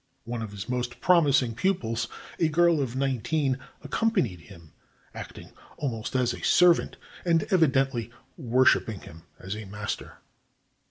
One of his most promising pupils, a girl of nineteen, accompanied him, acting almost as a servant and evidently worship ing him as her master.